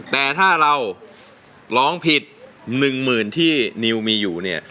แต่ถ้าเราร้องผิด๑๐๐๐ที่นิวมีอยู่เนี่ย